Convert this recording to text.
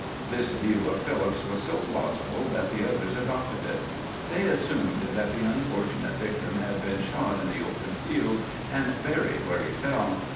This view of Philip's was so plausible that the others adopted it. They assumed that the unfortunate victim had been shot in the open field, and buried where he fell.